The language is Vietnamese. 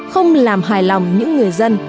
không làm hài lòng những người dân